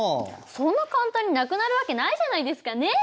そんな簡単になくなるわけないじゃないですかね！